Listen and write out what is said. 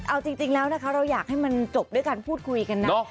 เอาจริงแล้วนะคะเราอยากให้มันจบด้วยการพูดคุยกันนะ